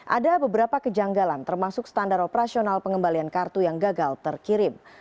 ada beberapa kejanggalan termasuk standar operasional pengembalian kartu yang gagal terkirim